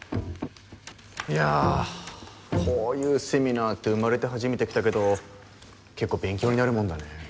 いやこういうセミナーって生まれて初めて来たけど結構勉強になるもんだね。